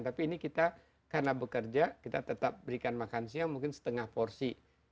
tapi ini kita karena bekerja kita tetap berikan makan siang mungkin setengah porsi